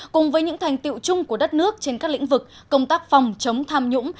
cùng với những thành tiệu chung của đất nước trên các lĩnh vực công tác phòng chống tham nhũng